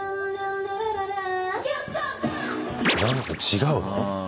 何か違うの？